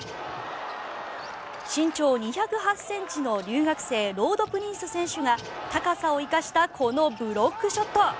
身長２０８ｃｍの留学生ロードプリンス選手が高さを生かしたこのブロックショット。